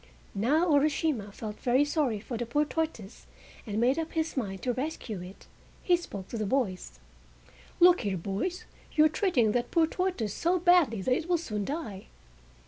Now Urashima felt very sorry for the poor tortoise and made up his mind to rescue it. He spoke to the boys: "Look here, boys, you are treating that poor tortoise so badly that it will soon die!"